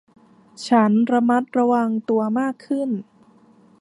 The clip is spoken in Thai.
ฉันระมัดระวังตัวมากขึ้น